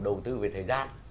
đầu tư về thời gian